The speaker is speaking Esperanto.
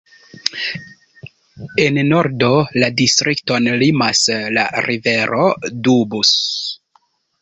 En nordo la distrikton limas la rivero Doubs.